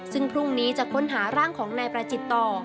ซึ่งพรุ่งนี้จะค้นหาร่างของนายประจิตต่อ